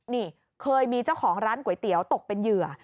นี่เคยมีเจ้าของร้านก๋วยเตี๋ยวตกเป็นเหยื่อ